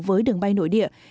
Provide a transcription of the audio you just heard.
với đường bay nội địa